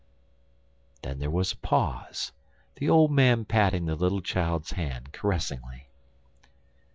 Then there was a pause, the old man patting the little child's hand caressingly.